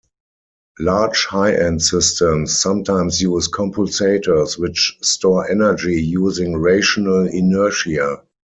Large high-end systems sometimes use compulsators which store energy using rotational inertia.